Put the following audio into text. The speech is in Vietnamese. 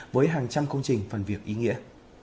với hàng trăm công trình phần việc ý nghĩa